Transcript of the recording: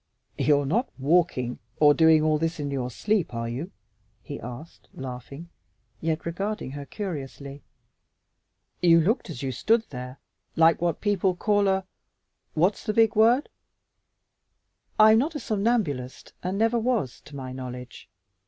"You are not walking or doing all this in your sleep, are you?" he asked, laughing, yet regarding her curiously. "You looked as you stood there like what people call a what's that big word?" "I'm not a somnambulist and never was, to my knowledge.